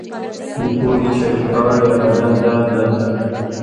د پوهې شریکول یوه دنده ده.